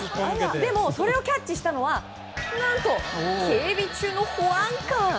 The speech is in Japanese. でも、それをキャッチしたのは何と警備中の保安官。